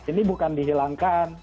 ini bukan dihilangkan